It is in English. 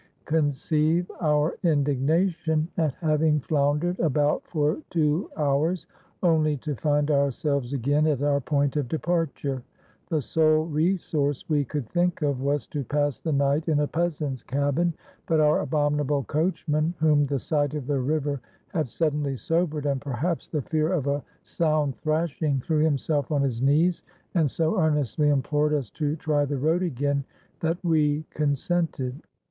Conceive our indignation at having floundered about for two hours only to find ourselves again at our point of departure! The sole resource we could think of was to pass the night in a peasant's cabin, but our abominable coachman, whom the sight of the river had suddenly sobered, and, perhaps, the fear of a sound thrashing, threw himself on his knees, and so earnestly implored us to try the road again, that we consented.